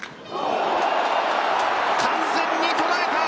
完全に捉えた！